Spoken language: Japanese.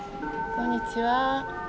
・こんにちは。